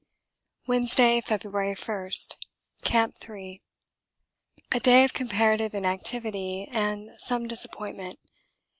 Wednesday, February 1. Camp 3. A day of comparative inactivity and some disappointment.